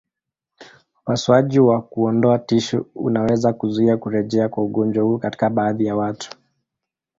Upasuaji wa kuondoa tishu unaweza kuzuia kurejea kwa ugonjwa huu katika baadhi ya watu.